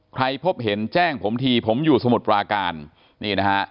พบเห็นแจ้งผมทีผมอยู่สมุทรปราการนี่นะฮะ